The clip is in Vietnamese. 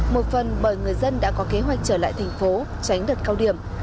một phần bởi người dân đã có kế hoạch trở lại thành phố tránh đợt cao điểm